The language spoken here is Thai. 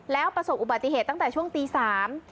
แล้วประสบอุบัติเหตุตั้งแต่ช่วงตีสาม